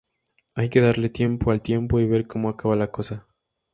Hay que darle tiempo al tiempo y ver como acaba la cosa